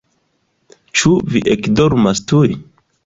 Ĉu vi ekdormas tuj?